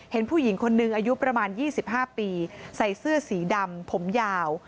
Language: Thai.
เห็นผู้หญิงคนหนึ่งอายุประมาณ๒๕ปีใส่เสื้อสีดำผมยาว